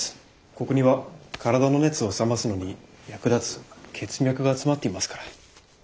ここには体の熱を冷ますのに役立つ血脈が集まっていますから。